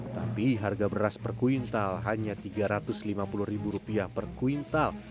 tapi harga beras per kuintal hanya rp tiga ratus lima puluh per kuintal